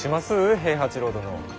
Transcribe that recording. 平八郎殿。